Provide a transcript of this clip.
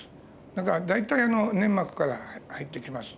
だから大体粘膜から入ってきます。